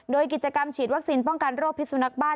โดยกิจกรรมฉีดวัคซีนป้องกันโรคพิสุนักบ้าน